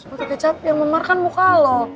bagaimana kecap yang memarkan muka lo